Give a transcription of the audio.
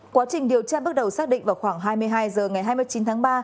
quá trình điều tra bước đầu xác định vào khoảng hai mươi hai h ngày hai mươi chín tháng ba